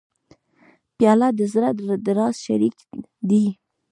پیاله د زړه د راز شریک دی.